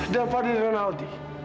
dan fadil dan aldi